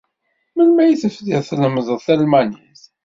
Melmi ay tebdiḍ tlemmdeḍ talmanit?